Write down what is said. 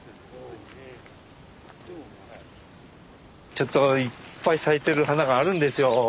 ちょっといっぱい咲いてる花があるんですよ。